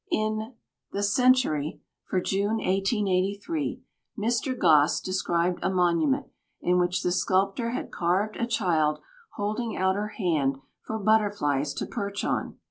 In The Century, for June, 1883, Mr. Gosse described a monument, in which the sculptor had carved a child holding out her hand for butterflies to perch on.